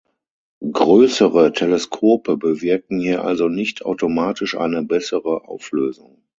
Größere Teleskope bewirken hier also nicht automatisch eine bessere Auflösung.